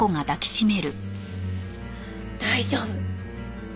大丈夫。